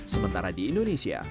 sementara di indonesia